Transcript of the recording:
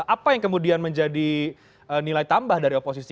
apa yang kemudian menjadi nilai tambah dari oposisi